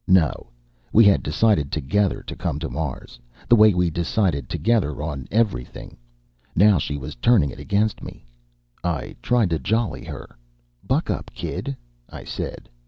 No, we had decided together to come to Mars the way we decided together on everything. Now she was turning against me. I tried to jolly her. "Buck up, kid," I said.